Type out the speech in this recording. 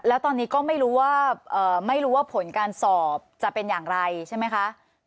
แล้วตอนนี้ก็ไม่รู้ว่าไม่รู้ว่าผลการสอบจะเป็นอย่างไรใช่ไหมคะ